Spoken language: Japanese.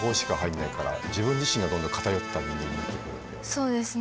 そうですね。